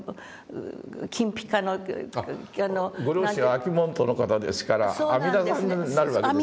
ご両親は安芸門徒の方ですから阿弥陀さんになるわけですね。